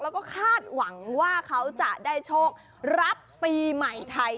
แล้วก็คาดหวังว่าเขาจะได้โชครับปีใหม่ไทย